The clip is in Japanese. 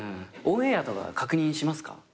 オンエアとか確認しますか？